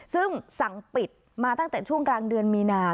ซึ่งสั่งปิดมาตั้งแต่ช่วงกลางเดือนมีนา